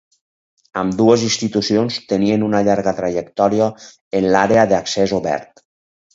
Ambdues institucions tenien una llarga trajectòria en l'àrea d'accés obert.